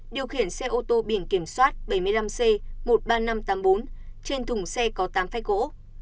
điều khiển xe ô tô biển kiểm soát bảy mươi năm c một mươi ba nghìn năm trăm tám mươi bốn trên thùng xe có tám phách gỗ